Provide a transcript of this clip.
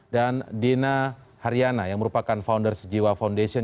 dan dina haryana yang merupakan founder sejiwa foundation